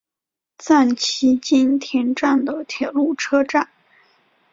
赞岐津田站的铁路车站。